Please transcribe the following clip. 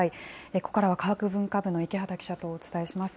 ここからは科学文化部の池端記者とお伝えします。